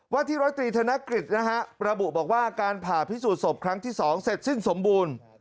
ที่ร้อยตรีธนกฤษนะฮะระบุบอกว่าการผ่าพิสูจนศพครั้งที่๒เสร็จสิ้นสมบูรณ์